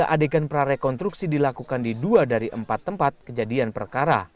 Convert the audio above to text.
tiga adegan prarekonstruksi dilakukan di dua dari empat tempat kejadian perkara